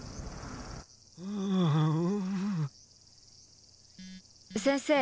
うん先生